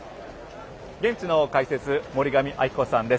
現地の解説、森上亜希子さんです。